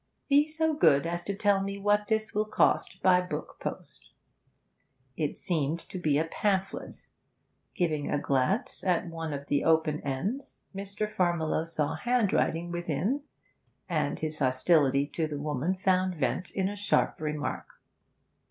'Be so good as to tell me what this will cost by book post.' It seemed to be a pamphlet. Giving a glance at one of the open ends, Mr. Farmiloe saw handwriting within, and his hostility to the woman found vent in a sharp remark.